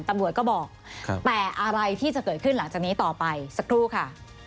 ตำรวจก็บอกแต่อะไรที่จะเกิดขึ้นหลังจากนี้ต่อไปสักครู่ค่ะ